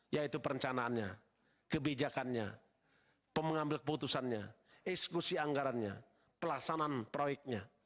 yaitu perencanaannya kebijakannya mengambil keputusannya eksekusi anggarannya pelaksanaan proyeknya